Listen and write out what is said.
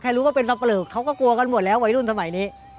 รู้ว่าเป็นสับปลอกเขาก็กลัวกันหมดแล้ววัยรุ่นสมัยนี้